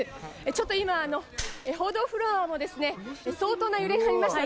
ちょっと今、報道フロアも相当な揺れがありました。